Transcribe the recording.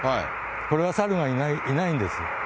これはサルがいないんです。